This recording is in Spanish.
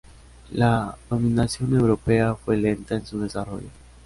La dominación europea fue lenta en su desarrollo.